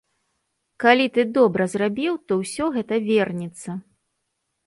Калі ты добра зрабіў, то ўсё гэта вернецца.